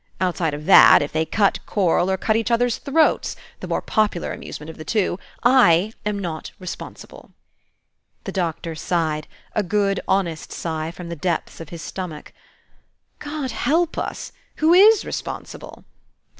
Outside of that, if they cut korl, or cut each other's throats, (the more popular amusement of the two,) I am not responsible." The Doctor sighed, a good honest sigh, from the depths of his stomach. "God help us! Who is responsible?"